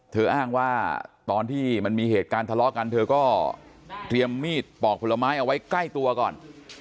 อ้างว่าตอนที่มันมีเหตุการณ์ทะเลาะกันเธอก็เตรียมมีดปอกผลไม้เอาไว้ใกล้ตัวก่อน